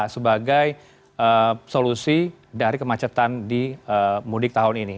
sebagai solusi dari kemacetan di mudik tahun ini